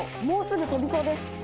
もうすぐ飛びそうです。